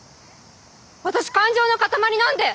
私感情の固まりなんで！